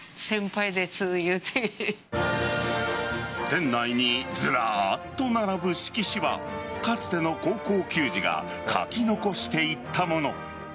店内にずらっと並ぶ色紙はかつての高校球児が書き残していったもの。